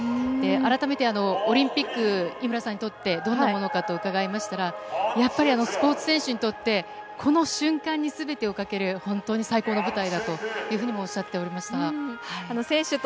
あらためてオリンピック、井村さんにとってどんなものかと伺いましたら、やっぱりスポーツ選手にとって、この瞬間に全てをかける本当に最高の舞台だというふうに、おっしゃっておりました。